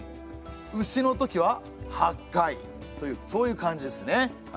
「丑のとき」は８回というそういう感じですね。